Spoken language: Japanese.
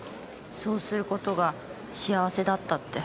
そうする事が幸せだったって。